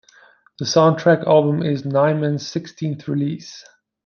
The soundtrack album is Nyman's sixteenth release.